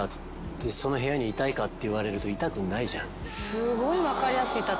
すごい分かりやすい例えだ。